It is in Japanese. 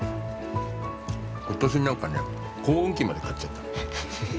ことしなんかね、耕運機まで買っちゃった。